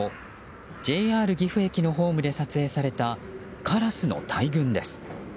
ＪＲ岐阜駅のホームで撮影されたカラスの大群です。